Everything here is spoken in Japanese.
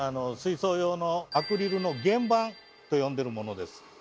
水槽用のアクリルの「原板」と呼んでるものです。